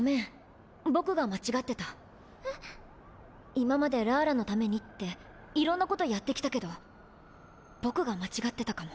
今までラーラのためにっていろんなことやってきたけどボクが間違ってたかも。